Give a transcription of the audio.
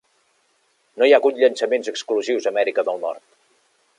No hi ha hagut llançaments exclusius a Amèrica del Nord.